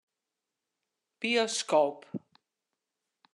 Bioskoop.